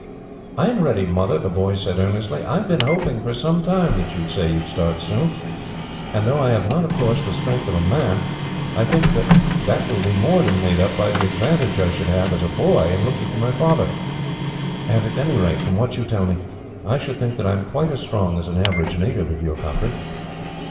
"I am ready, Mother," the boy said, earnestly. "I have been hoping, for some time, that you would say you would start soon; and though I have not, of course, the strength of a man, I think that will be more than made up by the advantage I should have, as a boy, in looking for my father; and at any rate, from what you tell me, I should think that I am quite as strong as an average native of your country.